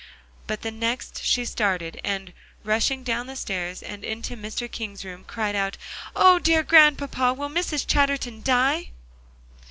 But the next she started and, rushing down the stairs and into Mr. King's room, cried out, "Oh! dear Grandpapa, will Mrs. Chatterton die?"